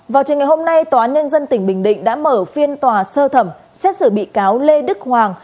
vào trường ngày hôm nay tòa án nhân dân tỉnh bình định đã mở phiên tòa sơ thẩm xét xử bị cáo lê đức hoàng